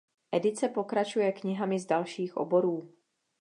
Edice pokračuje knihami z dalších oborů.